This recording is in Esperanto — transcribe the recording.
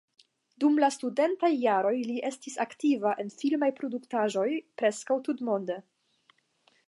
Dum la studentaj jaroj li estis aktiva en filmaj produktaĵoj preskaŭ tutmonde.